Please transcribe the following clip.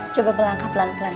coba pelangkah pelan pelan